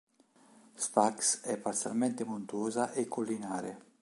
Sfax è parzialmente montuosa e collinare.